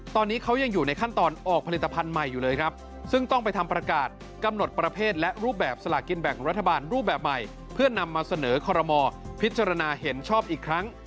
ตอนนี้เขายังอยู่ในขั้นตอนออกผลิตภัณฑ์ใหม่อยู่เลยครับซึ่งต้องไปทำประกาศกำหนดประเภทและรูปแบบสลากินแบ่งรัฐบาลรูปแบบใหม่เพื่อนำมาเสนอคอรมอพิจารณาเห็นชอบอีกครั้ง